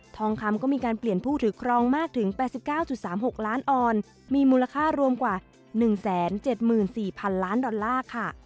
ทองคำก็มีการเปลี่ยนผู้ถือครองมากถึง๘๙๓๖ล้านออนมีมูลค่ารวมกว่า๑๗๔๐๐๐ล้านดอลลาร์ค่ะ